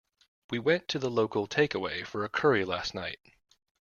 We went to the local takeaway for a curry last night